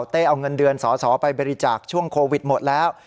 เอาเงินเดือนสอสอไปบริจาคช่วงโควิดหมดแล้ว